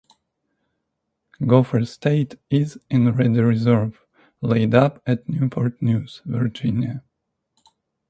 "Gopher State" is in ready reserve, laid up at Newport News, Virginia.